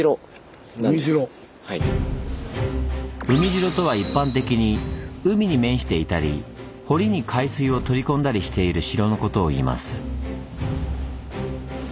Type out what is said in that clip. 「海城」とは一般的に海に面していたり堀に海水を取り込んだりしている城のことをいいます。